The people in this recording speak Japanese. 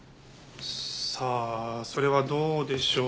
さあそれはどうでしょう？